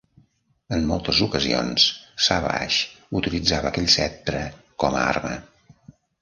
En moltes ocasions, Savage utilitzava aquell ceptre com a arma.